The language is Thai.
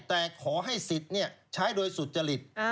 แต่ขอให้สิทธิ์ใช้โดยสุจริต